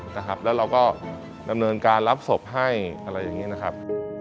นะครับแล้วเราก็ดำเนินการรับศพให้อะไรอย่างนี้นะครับ